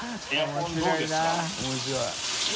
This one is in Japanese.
面白い。